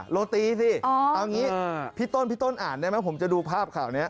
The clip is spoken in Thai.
โรตีสิพี่ต้นพี่ต้นอ่านได้ไหมผมจะดูภาพข้าวนี้